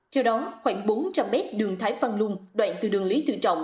theo đó khoảng bốn trăm linh mét đường thái văn lung đoạn từ đường lý tự trọng